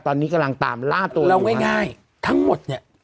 ตอนนี้กำลังตามล่าตัวแล้วง่ายทั้งหมดเนี่ย